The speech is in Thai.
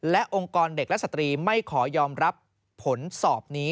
และองค์กรเด็กและสตรีไม่ขอยอมรับผลสอบนี้